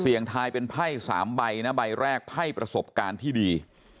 ทายเป็นไพ่๓ใบนะใบแรกไพ่ประสบการณ์ที่ดี